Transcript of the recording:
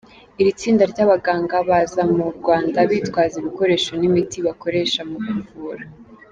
Iri tsinda ry’abaganga baza mu Rwanda bitwaza ibikoresho n’imiti bakoresha mu kuvura.